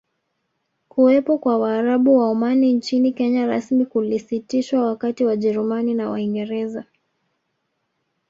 Kuwepo kwa Waarabu wa Omani nchini Kenya rasmi kulisitishwa wakati Wajerumani na Waingereza